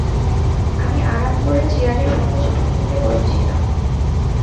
আমি আরাম করে চেয়ারে সহজ ভঙ্গিতে বসে ছিলাম।